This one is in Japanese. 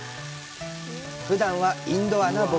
ふだんはインドアな僕。